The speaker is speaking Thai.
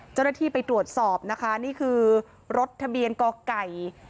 เจ้าหน้าที่ไปตรวจสอบนะคะนี่คือรถทะเบียนกไก่